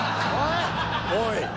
おい。